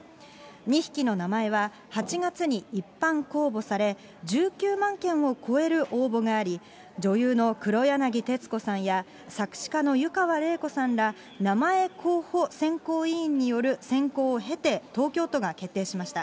２匹の名前は８月に一般公募され、１９万件を超える応募があり、女優の黒柳徹子さんや作詞家の湯川れい子さんら、名前候補選考委員による選考を経て、東京都が決定しました。